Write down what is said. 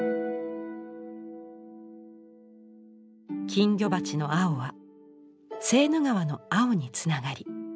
金魚鉢の青はセーヌ川の青につながり